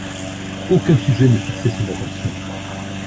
Aucun sujet ne fixait son attention.